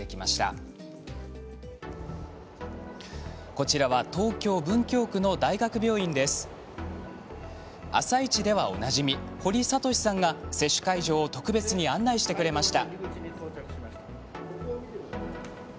「あさイチ」でおなじみ堀賢さんが、接種会場を特別に案内してくれました。